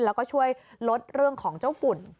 แล้วก็ช่วยลดเรื่องของเจ้าฝุ่น